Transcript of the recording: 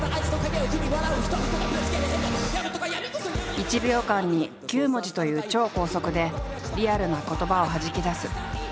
１秒間に９文字という超高速でリアルな言葉をはじき出す。